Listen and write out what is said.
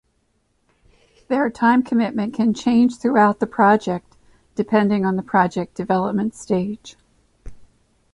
Their time commitment can change throughout the project depending on the project development stage.